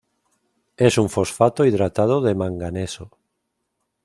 Es un fosfato hidratado de manganeso.